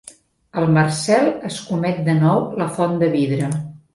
El Marcel escomet de nou la font de vidre.